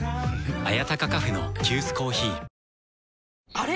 あれ？